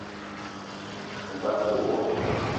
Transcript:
Kome basko wo.